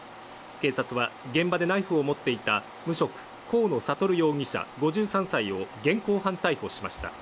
警察は現場でナイフを持っていた無職、河野智容疑者５３歳を現行犯逮捕しました。